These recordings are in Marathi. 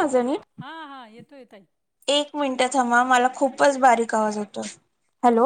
माझा हॅलो! नीट? हा हा येतोय येतोय. एक मिनिट थांबा मला खूपच बारीक आवाज येतोय. हॅलो,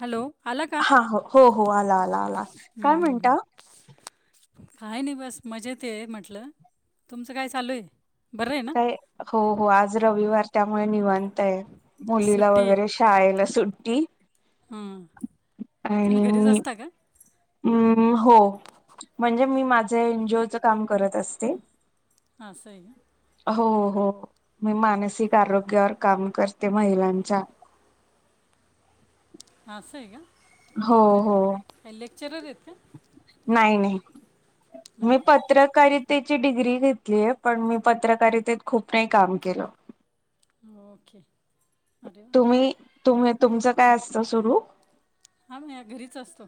हॅलो आला का हा हो हो, आला आला आला, हं, काय म्हणता? [unintelligible] काय नाही बस मजेत आय म्हंटलं. तुमचं काय चालू आहे? बरं आहे ना काय? हो हो आज रविवार, त्यामुळे निवांत हाय. मुलीला सुट्टी आहे वगैरे शाळेला सुट्टी हां. तुम्ही आणि घरीच मी, असता का रेडी हो. म्हणजे मी माझं एनजॉयेच काम करत असते. हां, असं हाय ना. हो हो, मी मानसिक आरोग्यावर काम करते महिलांच्या असं आहे हो का? अरे वा! हो काय लेक्चरर हायेत का? नाही, नाही. नाही मी पत्रकारित त्येची डिग्री घेतलीय, पण मी पत्रकारितेत खूप नाही काम केलं. ओके. अरे. वा मी तुमी तुमचं काय असतं सुरू? हां, म्या घरीच असतो.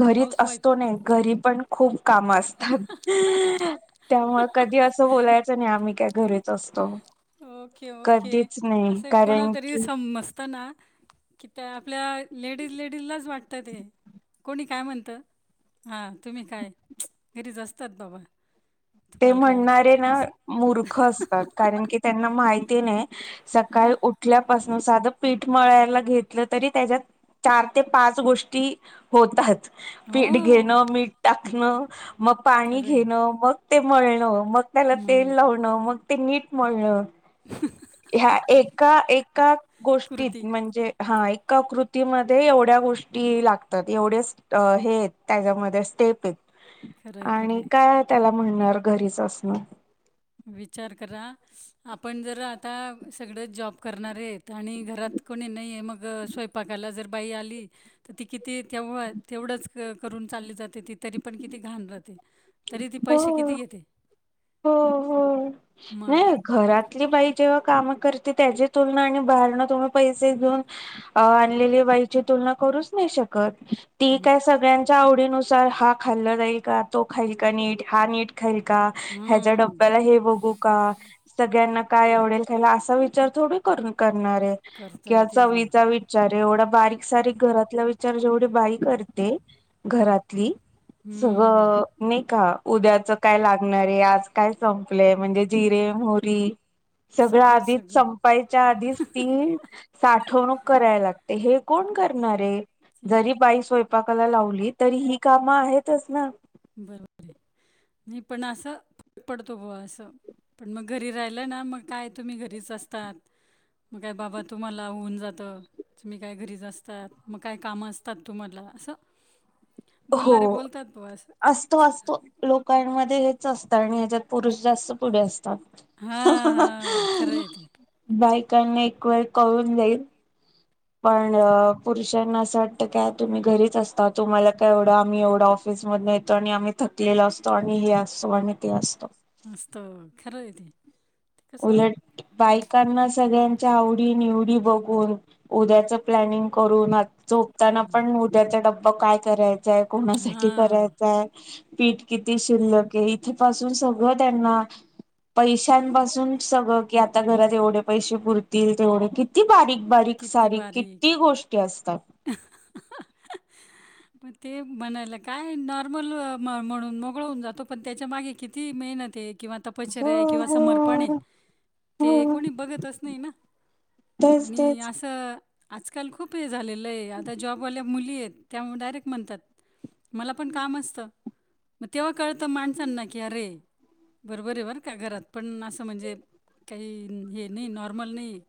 घरीच हाऊसवाईफ असतो ने, घरी पण खूप काम असतात. [unintelligible] त्यामुळ कधी असं बोलायचं नाही, आम्ही काय घरीच असतो. Okay, okay. कधीच नाही असं कोणा कारण तरी की समजताना की त्या आपल्या लेडीज लेडीजलाच वाटत ते. कोणी काय म्हणत? हां तुम्ही काय [unintelligible] घरीच असतात दोग. ते म्हणणारे ना मूर्ख असतात, कारण की त्यांना माहिती नाही. सकाळ उठल्यापासून साधं पीठ मळायला घेतलं तरी त्याच्यात चार ते पाच गोष्टी होतात पीठ हो, घेणं, मीठ टाकणं, मग पाणी खरं आहे. घेणं मग ते मळणं, मग त्याला तेल मग. लावणं मग ते नीट मळणं. [unintelligible] ह्या एका-एका गोष्टीत कृती. म्हणजे हा एका कृतीमध्ये एवढ्या गोष्टी लागतात. एवढेच हे त्याच्यामध्ये स्टेप आहेत. खरं आहे, खरं आणि आहे. काय त्याला म्हणणार घरीच असणं. विचार करा आपण जर आता सगळं जॉब करणारे आहेत. तर आणि घरात कोणी नाही आहे मग स्वयंपाकाला जर बाई आली तर ती किती तेव-तेवढंच करून चालली जाते ती तरी पण किती घाण राहते. तरी ती हो पैसे किती घेते. हो. हो. मग घरातली बाई जेव्हा काम करते त्याची तुलना आणि बाहेरनं तु्म्ही पैसे घेऊन आणलेली बाईची तुलना करूच नाही शकत ती काय मग- सगळ्यांच्या आवडीन तर हा खाल्ला जाईल का, तो खाईल का नीट हा नीट खाईल का ह्याच्या हं डब्याला हे बघू का, सगळ्यांना काय आवडेल खायला असा विचार थोडी करून करणारे कि करता याचा तेच ना विचार वि विचार एवढा बारीक-सारीक घरातला विचार जेवढी बाई करते घरातली हं, सगळं नाही का उद्याच काय लागणार आहे आज काय संपलय म्हणजे जिरे, मोहरी सगळं आधीच संप पाईच्या आधीच तीऊन साठवणूक करायला लागते हे कोण करणारे? ती जरी बाई स्वयंपाकाला लावली तरी ही कामं आहेतच ना? बरोबर आहे नाही पण असं फरक पडतो ब असं पण मग घरी राहिलं ना मग काय तुम्ही घरीच असतात. मग काय बाबा तुम्हाला होऊन जातं. तुम्ही काय घरीच असतात मग काय कामं असतात तुम्हाला असं. हो बोलणारे बोलतात व्हा असं. असतो असतो. लोकांमध्ये हेच असतं आणि ह्याच्यात पुरुष जास्त पुढे असतात. हां हां खरं आहे ते बायकांना एक वेळ कळून जाईल. पण पुरुषांना असं वाटतं काय तुम्ही घरीच असता तुम्हाला काय एवढं आम्ही एवढा ऑफिसमध्ये येतो आणि आम्ही. थकलेला असतो आणि हे असतो आणि ते असतो. मस्त खेर येत. उलट बायकांना सगळे आवडी निवडी बघून उद्याच प्लनिंग करून झोपताना करून पण त्याचा डब्बा काय करायचाय कोणासाठी हां करायचाय. पीठ किती शिल्लक आहे इथे पाासून सगळं त्यांना पैशांपासून सगळं की आता घरात एवढे पैसे पुरतील तेवढे किती बारीक बारीक किती सारीक बारीक किती गोष्टी असतात. [inaudible] पण ते बनायला काय नॉर्मल म्हणून मोगळ होऊन जातो पण त्याच्या मागे किती मेहनत आहे किंवा अपचर हो आहे किंवा समर्पण हो आहे हो ते कोणी बघतच नाही ना तेच आणि तेच असं आजकाल खूप हे झालं. आ जॉबवाल्या मुली त्या डायरेक् म्हणतात म पण कामत मग तेव्हा कळत माणसांना की अरे. बरोबर आहे बरं का घरात पण असं म्हणजे काही हे नाही नॉर्मल नाही.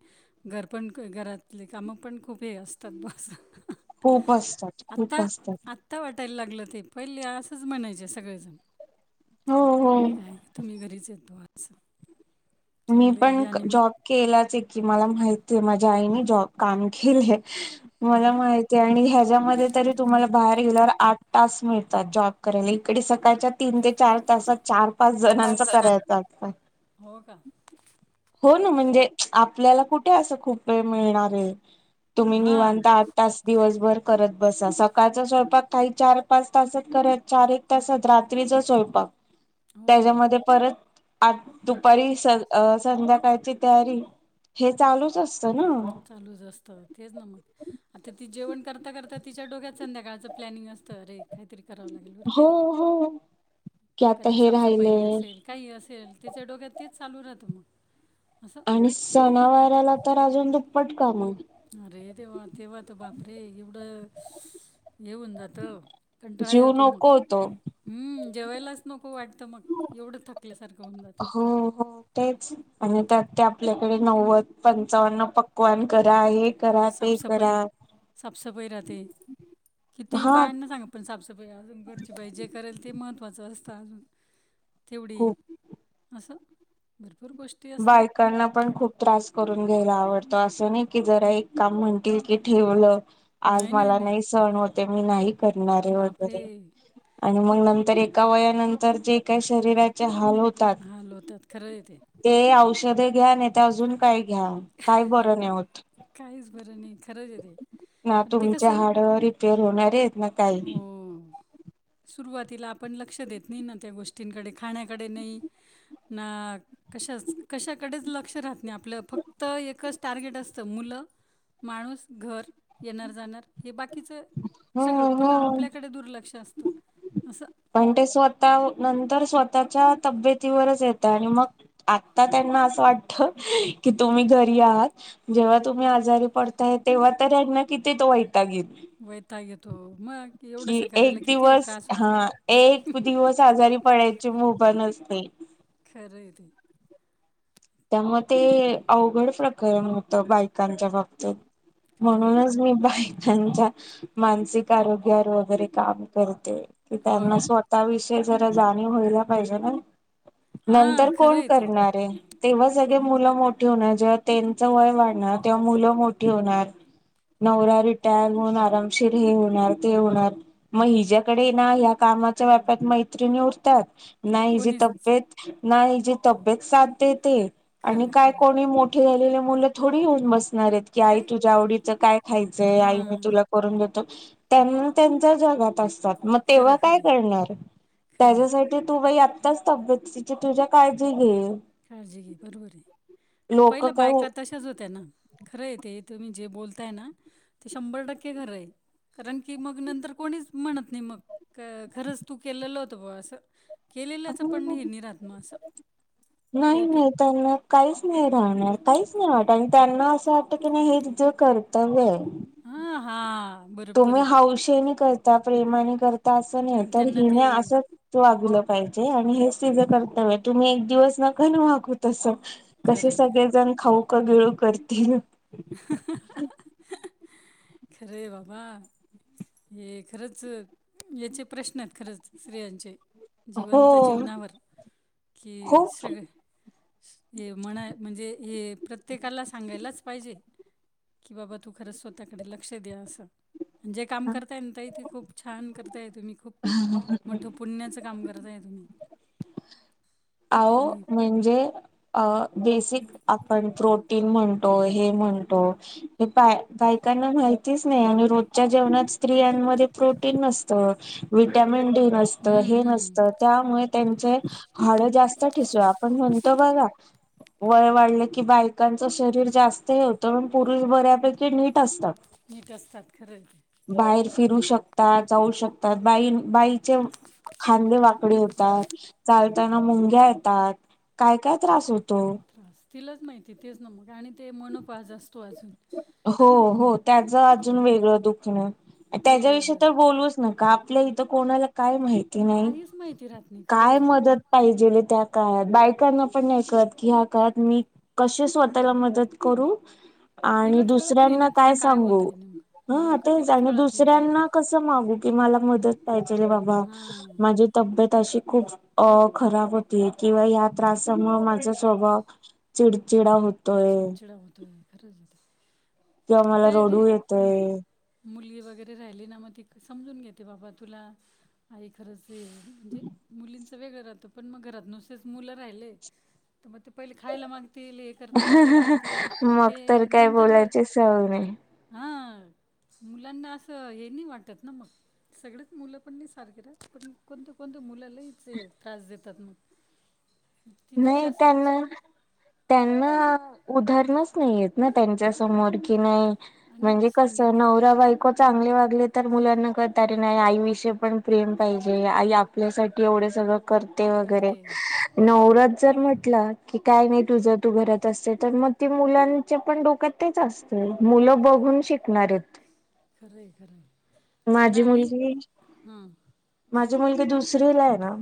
घरपण घरातली कामं पण खूप हे असतात बघ. खूप असतात खूप असतात. आता वाटायला लागलं ते पहिले असंच म्हणायचे सगळेजण हो हो. ठीक आहे का. तुम्ही घरीच येतो असं मी चांगले पण या जॉब निमित्त केलाच आहे की मला माहित आहे माझ्या आईने जॉब काम केलेय हो मला ना माहित ते आणि ह्याच्यामध्ये तरी तुम्हाला बाहेर गेल्यावर आठ टास्क मिळतात जॉब करायला इकडे सकाळच्या तीन ते चार तासात चार पाच जणांच करायचं असत. हो का. हो ना म्हणजे आपल्याला कुठे असं खूप वेळ मिळणार आहे. तुम्ही हां निवांत आठ तास दिवसभर करत बसा सकाळचा स्वयंपाक काही चार पाच तासच करा चार एक. तसात रात्रीचा स्वयंपाक [inaudible] त्याच्यामध्ये परत आ दुपारी चल संध्याकाळची तयारी हे चालूच असतं ना. चालूच असतं तेच न मग. आता ती जेवण करता करता तिच्या डोक्यात संध्याकाळच प्लनिंग असतं रे काहीतरी कराव लागेल बर का हो हो की आता काहीतरी हे साफ सफाई राहिलय असेल. काही असेल त्याच्या डोक्यात तेच चालू राहतं मग असं. आणि सणावराला तर अजून दुप्पट काम आहेत. अरे तेव्हा तेव्हा तर बाप रे एवढं स येऊन जातं कंटाळा जीव येतो मग. नको होतो ह जेवायलाच नको वाटतं मग एवढं थकल्यासारखं होऊन जातं. हो हो तेच आणि त्यात ते आपल्याकडे नव्वद पंचावन्न पक्वान करा हे. करा ते करा साफसफाई साफसफाई राहते, कितीही हा बायांना सांगा. पण साफसफाई अजून घरचीबाई जे करेल ते महत्चं असतं, अजून तेवढी खूप असं भरपूर गोष्ट बायकांना पण खूप त्रास करून घ्यायला आवडतो असं नाही कि, जरा एक काम म्हणतील कि ठेवलं. आज मला नाही सहन होतेयं, मी नाही करणारे बापरे वगैरे. आणि मग नंतर एका वयानंतर जे काही शरीराचे हाल होतात. हाल होतात खरं आहे ते. ते औषधे घ्यान नाही त ते अजून काय घ्या, काही बरं नाही होत. काहीच बरं नाही खरंच येते ना आणि ते तुमचे हाड रिपेअर होणारेत ना काही हम्म, सुरुवातीला आपण लक्ष देत नाही ना, त्या गोष्टींकडे खाण्याकडे नाही ना कशाच कशाकडेच लक्ष राहत नाही, आपलं फक्त एकच टार्गेट असतं मुलं माणूस घर येणार जाणार हे बाकीचं हो सगळं हो कडे दुर्लक्ष असतं असं. पण ते स्वतः नंतर स्वतःच्या तब्येतीवरच येतं आणि मग आता त्यांना असं वाटत की, तुम्ही घरी आहात जेव्हा तुम्ही आजारी पडताय तेव्हा तर, ह्यांना किती तो वैताग येईल. वैताग येतो, मग एवढं कि सगळ एक दिवस हा एक दिवस आजारी पडायची मुभा नसते. खरं आहे ते. त्यामुळे ते अवघड प्रकरण होतं, बायकांच्या बाबतीत. खरं आहे म्हणूनच मी बायकांच्या मानसिक आरोग्यावर वगैरे काम करते कि, हो त्यांना का स्वत त्या विषय जरा जाणीव व्हायला पाहिजे ना, हां नंतर खरं कोण आहे ते करणार ये. तेव्हा सगळे मुलं मोठी होणार जेव्हा, त्यांच वय वाढणार तेव्हा मुलं मोठी होणार. नवरा रिटायर होणार, आरामशीर हे होणार ते होणार. मग हिच्याकडे ना ह्या कामाच्या व्यापात मैत्रिणी उरतात. नाही हिची कोणीच तब्येत नाही हिची तब्येत साथ देते, आणि खरं काय खरं कोणी मोठ एवढ्यान मुलं थोडी घेऊन बसणार आहेत की, आई काय तुझ्या आवडीचं काय खायचंय आई मी हां तुला करून देतो, त्यांनी त्यांच्या जगात अस त्यात मग तेव्हा खरं काय खरं आहे करणार? खरं आहे त्याज्यासाठी ते तू बाई आत्ताच तब्येतीची तुझ्या काळजी घे. काळजी घे बरोबर आहे, लोक पहिल्या काय हो बायका तशाच होत्या ना. खरंय ते तुम्ही जे बोलताय ना, ते शंभर टक्के खरं आहे. कारण की, मग नंतर कोणीच म्हणत नाही मग खरंच तू केलेलं होत बुआ असं. केलेलंच पण हम्म. नाही राहत म असं. नाही कौतुक नाही. त्यांना काहीच नाही राहणार काहीच नाही वाटत, आणि त्यांना असं वाटत की नाही हेच जे कर्तव्य आहे. हा हा. तुम्ही हौशनी करता प्रेमाने करता असं नाही, पण तर त्यांना ते हिने असं तू वागलं पाहिजे, आणि हेच तिझ कर्तव्य आहे तुम्ही एक दिवस नका ना वागू तसं. खरं कसे आहे खरं सगळे आहे जण खाऊका गिळू करतील. [unintelligible] खरयं बाबा. हे खरंच याचे प्रश्न आहेत खरंच स्त्रियांचे. हो जिवंत जीवनावर की सगळे खूप हे म्हणाय म्हणजे हे प्रत्येकाला सांगायलाच पाहिजे. की बाबा तू खरं स्वतःकडे लक्ष द्या असं. आणि जे काम करताय ना, ताई ते खूप छान करताय तुम्ही खूप मोठ पुण्याचं काम करत आहे तुम्ही. आवो आणि म्हणजे अ बेसिक आपण प्रोटीन म्हणतो, हे म्हणतो हे बा -बायकांना माहितीच नाही, आणि रोजच्या जेवणात स्त्रियांमध्ये प्रोटीन नसतं. विटॅमिन डी नसतं, हे हम्म, हम्म. नसतं त्यामुळे त्यांचे हाडं जास्त ठिसूळ आपण म्हणतो बघा. वय वाढले की, बायकांच शरीर जास्त हे होत पुरुष बऱ्यापैकी नीट असतात. नीट असतात खरयं. बाहेर फिरू शकतात, जाऊ शकतात बाई -बाईचे खांदे वाकडी होतात चाल ताना मुंग्या येतात, काय काय त्रास होतो? त्रास तिलाच माहिती तेच ना मग, आणि ते [unintelligible] असतो आज. हो हो, त्याच अजून वेगळं दुखण ते त्याच्याविषयी वेगळं तर बोलूच नका आपल्या इथं कोणाला काय माहिती नाही, काहीच माहिती राहत नाही खरं काय आहे ते मदत पाहिजेले त्या काळात बायकांना पण नाही कळत की, ह्या काळात मी कसे स्वतःला मदत करू? आणि तिलाच कळत नाही दुसऱ्यांना ना तिला काय सांगू होतंय नेमकं ह, नेमकं तेच तिलाच आणि कळत नाही ते दुसऱ्यांना कसं कसं मागू की, मला मदत पाहिजेल ये बाबा हां माझी तब्येत अशी खूप अ खराब होतीय, किंवा या त्रासामुळे माझा स्वभाव चिडचिडा होत चिडचिडा होतोय खरंच, किंवा हो ते मला काय रडू [unintelligible] येतोय मुलगी वगैरे राहिली ना, मग ती समजून घेते बाबा तुला आई खरंच म्हणजे मुलींच वेगळ राहत पण, मग घरात नुसेच मुल राहिले. तर, मग ते पहिले खायला मागतील हे करतील ते करतील पण ते नंतर चव नाही. हा, मुलांना असं हे नाही वाटत ना मग. सगळेच मुलं पण नाही सारखी राहत, पण कोणत्या कोणत्या मुल लय ये त्रास देतात मग. [inaudible] नाही जास्तच त्यांना त्यांना उदाहरणच नाहीयेत ना, त्यांच्या समोर कि नाही आणि म्हणजे सांगित कसं नवरा बायको चांगले वागले तर, मुलांना कळत नाही आई विषयी पण प्रेम पाहिजे आई आपल्यासाठी एवढे सगळ करते वगैरे करते जर म्हटलं की काय नाही तुझ तू घरात असते तर, मग ते मुलांचे पण डोक्यात तेच असत, मुलं बघून शिकणार आहेत. खरं आहे खरंयं त्यांना माझी आणि मुलगी ह. माझी मुलगी दुसरी ला आहे ना.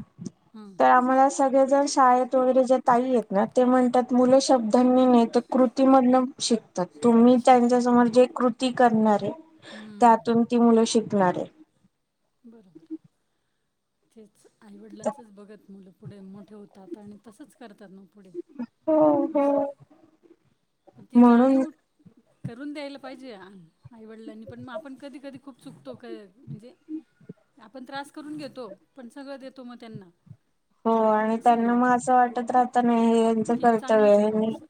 हम्म, तर आम्हाला सगळे जण शाळेत वगैरे ज्या ताई येत ना, ते म्हणतात मुलं शब्दांनी नेत कृतीमधलं शिक तर तुम्ही शिकतात त्यांच्यासमोर जे कृती करणार आहे, हम्म त्यातून ती मुलं शिकणार आहे. बरोबर. तेच आई वडिलांचच बघत मुलं पुढे मोठे होतात, आणि तसंच करतात मग पुढे. हम्म असं, हम्म. पण ती म्हणून जाणीव करून द्यायला पाहिजे. आईवडलांनी पण मग आपण कधी कधी खूप चुकतो, म्हणजे आपण त्रास करून घेता. पण, सगळं देतो मग त्यांना. हो, आणि असं होऊन त्यांना मग जातं ते असं वाटत राहत नाही हे यांचं की कर्तव्य चांगलीच आहे बुवा आणि असं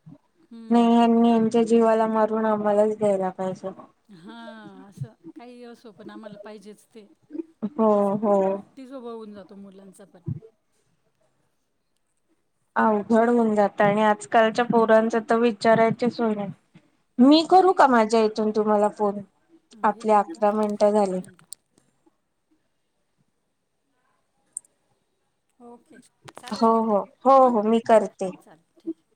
नाही हम्म. यांनी यांच्या जीवाला मारून आम्हालाच द्यायला पहिजेलयं. हा असं काही असो पण, आम्हाला पाहिजेच ते हो हो असं हट्टी स्वभाव होवून जातो, मुलांचा पण. अवघड होऊन जातं, आणि आजकालच्या पोरांचं तर विचारायची सोय नाही. मी करू काही का? माझ्या इथून तुम्हाला फोन हां एक आपले मिनटं अकरा मिनटं हां एक झाले. मिनटं ओके! चालेल, हो मग हो ताई हो हा हो मी करते ओके चालेल ठीक आहे.